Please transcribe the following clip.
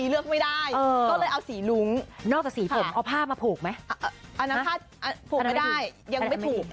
เอาน้ำผ้าผูกไม่ได้ยังไม่ถูก